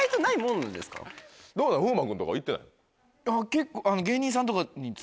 結構。